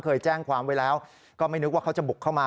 เคยแจ้งความไว้แล้วก็ไม่นึกว่าเขาจะบุกเข้ามา